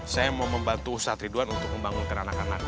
saya mau membantu ustaz ridwan untuk membangun kerana kanan